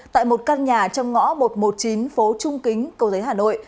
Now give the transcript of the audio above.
tại một căn nhà trong ngõ một trăm một mươi chín phố trung kính cầu giấy hà nội